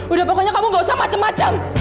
udah pokoknya kamu gak usah macam macam